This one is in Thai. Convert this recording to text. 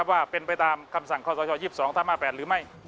ว่าเป็นไปตามคำสั่งข้อสช๒๒ทับ๕๘หรือไม่